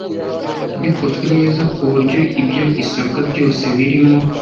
bikozwe neza ku buryo ibyo isabwa byose birimo